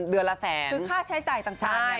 คือค่าใช้จ่ายต่างเนี่ย